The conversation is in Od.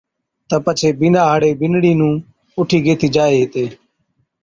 تہ پڇي بِينڏا ھاڙي بِينڏڙِي نُون اُٺي گيهٿِي جائي ھِتي